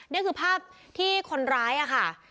นี่คือภาพที่คนร้ายค่ะ